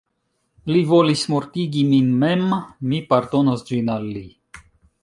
Li volis mortigi min mem, mi pardonas ĝin al li.